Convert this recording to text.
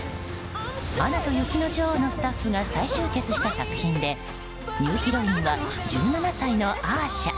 「アナと雪の女王」のスタッフが再集結した作品でニューヒロインは１７歳のアーシャ。